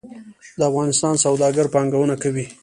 د افغانستان سوداګر پانګونه کوي